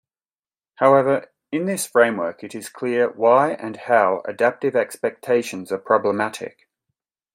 However, in this framework it is clear why and how adaptive expectations are problematic.